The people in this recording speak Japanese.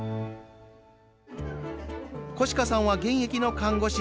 小鹿さんは現役の看護師。